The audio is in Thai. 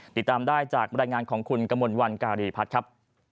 ติดตามได้จากบรรยายงานของคุณกมลวันการีพัฒน์ครับ